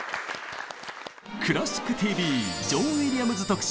「クラシックＴＶ」ジョン・ウィリアムズ特集。